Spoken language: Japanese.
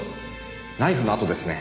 ナイフの跡ですね。